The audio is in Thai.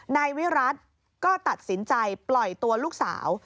นายวิรัติก็ตัดสินใจปล่อยตัวลูกสาว